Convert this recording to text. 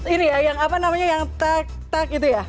ini ya yang apa namanya yang tak tak gitu ya